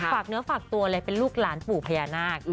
ฝากเนื้อฝากตัวเลยเป็นลูกหลานปู่พญานาค